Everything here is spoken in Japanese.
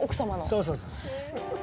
そうそうそう。